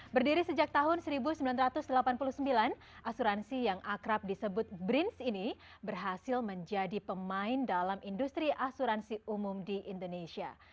berdiri sejak tahun seribu sembilan ratus delapan puluh sembilan asuransi yang akrab disebut brins ini berhasil menjadi pemain dalam industri asuransi umum di indonesia